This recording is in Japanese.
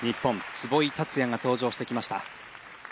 壷井達也が登場してきました。